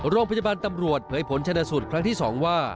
โรงพยาบาลตำรวจเผยผลชนสูตรครั้งที่๒ว่า